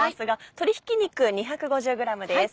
鶏ひき肉２５０ｇです。